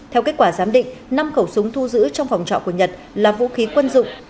theo kết quả giám định năm khẩu súng thu giữ trong phòng trọ của nhật là vũ khí quân dụng